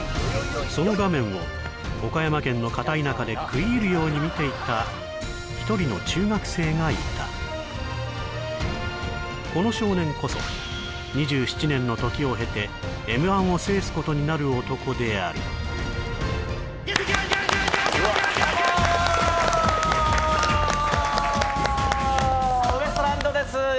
その画面を岡山県の片田舎で食い入るように見ていた一人の中学生がいたこの少年こそ２７年の時を経てＭ−１を制すことになる男であるどうもウエストランドです